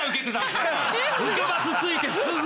ロケバス着いてすぐ。